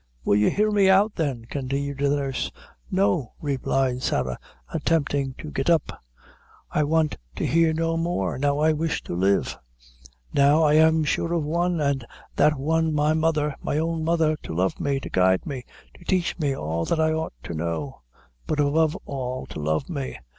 "Will you hear me out, then?" continued the nurse. "No," replied Sarah, attempting to get up "I want to hear no more; now I wish to live now I am sure of one, an' that one my mother my own mother to love me to guide me to taich me all that I ought to know; but, above all, to love me.